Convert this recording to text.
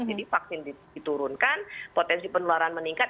jadi vaksin diturunkan potensi penuaran meningkat